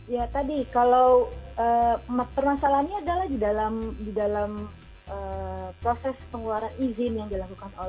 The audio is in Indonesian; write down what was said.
ya tadi kalau permasalahannya adalah di dalam proses pengeluaran izin yang dilakukan